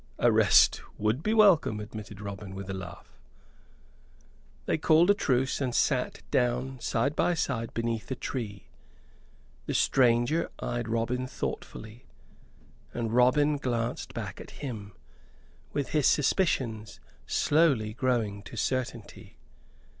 "A rest would be welcome," admitted Robin, with a laugh. They called a truce and sat down side by side beneath a tree. The stranger eyed Robin thoughtfully; and Robin glanced back at him, with his suspicions slowly growing to certainty.